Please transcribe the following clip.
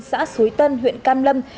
xã suối tân huyện cam lâm